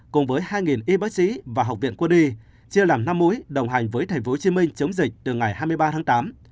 cùng với hai y bác sĩ và học viện quân y chia làm năm mũi đồng hành với tp hcm chống dịch từ ngày hai mươi ba tháng tám